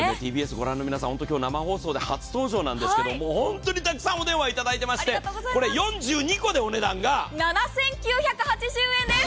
ＴＢＳを御覧の皆さん、今日、初登場なんですけどホントにたくさんお電話をいただいていまして、これ４２個でお値段が７９８０円です。